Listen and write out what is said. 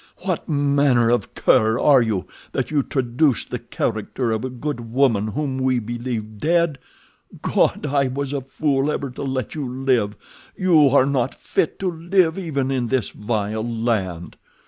What manner of cur are you that you traduce the character of a good woman whom we believe dead! God! I was a fool ever to let you live—you are not fit to live even in this vile land."